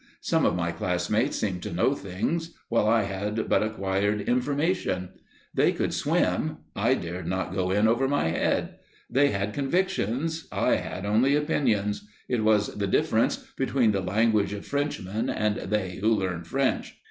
Some of my classmates seemed to know things, while I had but acquired information. They could swim; I dared not go in over my head. They had convictions, I had only opinions; it was the difference between the language of Frenchmen and they who learn French.